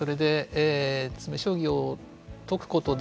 それで詰め将棋を解くことで